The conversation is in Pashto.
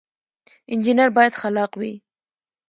انجنیر باید خلاق وي